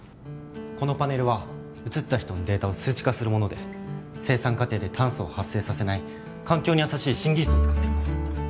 このパネルは映った人のデータを数値化するもので生産過程で炭素を発生させない環境に優しい新技術を使っています